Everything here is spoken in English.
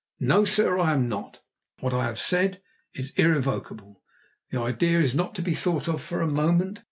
"No, sir, I am not! What I have said is irrevocable. The idea is not to be thought of for a moment.